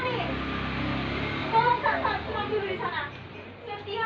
ya bapak tidak tahu bagaimana kejahatan ini